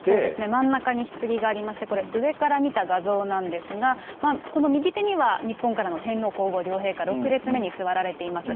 真ん中にひつぎがありまして、これ、上から見た画像なんですが、この右手には日本からの天皇皇后両陛下、６列目に座られています。